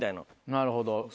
なるほど。